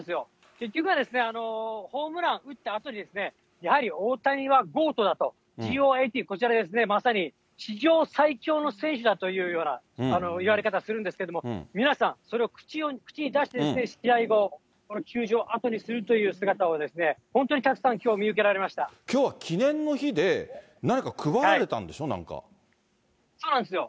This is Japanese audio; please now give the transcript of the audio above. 結局は、ホームラン打ったあとに、やはりオオタニはゴートだと、ＧＯＡＴ、こちらですね、まさに史上最強の選手だというような言われ方するんですけれども、皆さん、それを口に出して、試合後、この球場を後にするという姿を、本当にたくさん、きょうは記念の日で、何か配そうなんですよ。